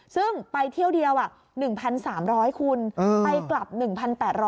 ซึ่งไปเที่ยวเดียว๑๓๐๐คุณไปกลับ๑๘๐๐